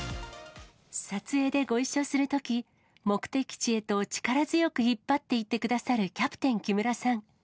撮影でご一緒するとき、目的地へと力強く引っ張っていってくださるキャプテン、木村さん。